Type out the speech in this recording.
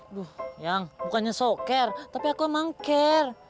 aduh yang bukannya so care tapi aku emang care